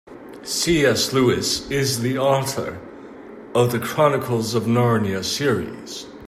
C.S. Lewis is the author of The Chronicles of Narnia series.